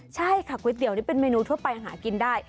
ใช่ค่ะก๋วยเตี๋ยวนี่เป็นเมนูทั่วไปหากินได้